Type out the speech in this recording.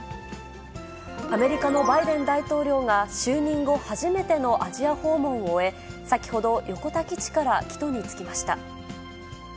アメリカのバイデン大統領が、就任後初めてのアジア訪問を終え、先ほど、横田基地から帰途に就きました。